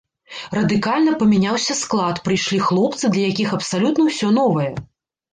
Радыкальна памяняўся склад, прыйшлі хлопцы, для якіх абсалютна ўсё новае.